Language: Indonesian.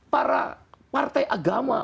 para partai agama